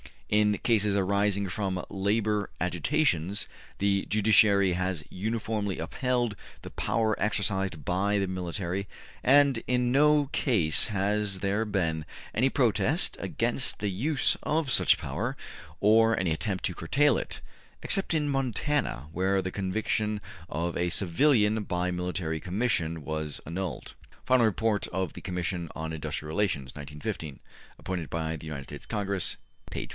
... In cases arising from labor agitations, the judiciary has uniformly upheld the power exercised by the military, and in no case has there been any protest against the use of such power or any attempt to curtail it, except in Montana, where the conviction of a civilian by military commission was annulled'' (``Final Report of the Commission on Industrial Relations'' (1915) appointed by the United States Congress,'' p. 58).